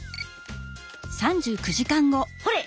ほれ！